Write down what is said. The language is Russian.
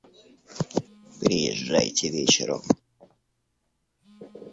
Приезжайте вечером.